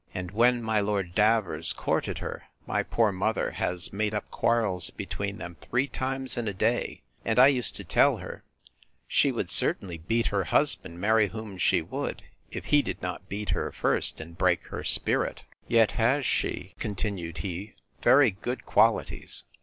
And when my Lord Davers courted her, my poor mother has made up quarrels between them three times in a day; and I used to tell her, she would certainly beat her husband, marry whom she would, if he did not beat her first, and break her spirit. Yet has she, continued he, very good qualities.